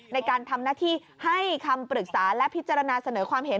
ในการทำหน้าที่ให้คำปรึกษาและพิจารณาเสนอความเห็น